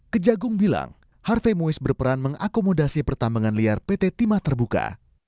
kejagung bilang harve muis berperan mengakomodasi pertambangan liar pt timah terbuka